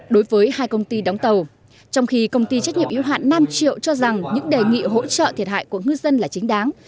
đối với hai công ty đóng tàu trong khi công ty trách nhiệm yếu hạn nam triệu cho rằng những đề nghị hỗ trợ thiệt hại của ngư dân là chính đáng